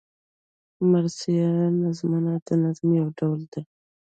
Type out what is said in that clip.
مرثیه نظمونه د نظم یو ډول دﺉ.